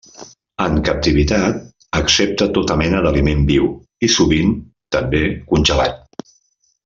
En captivitat, accepta tota mena d'aliment viu i, sovint també, congelat.